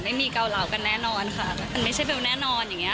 ไม่มีเก่าเหลวกันแน่นอนค่ะ